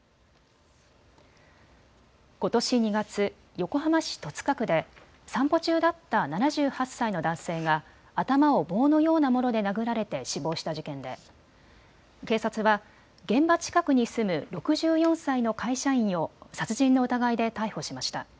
ことし２月、横浜市戸塚区で散歩中だった７８歳の男性が頭を棒のようなもので殴られて死亡した事件で警察は現場近くに住む６４歳の会社員を殺人の疑いで逮捕しました。